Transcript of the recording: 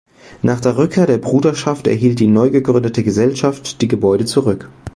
Nach der Rückkehr der Bruderschaft erhielt die neu gegründete Gesellschaft die Gebäude zurück.